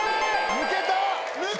抜けた！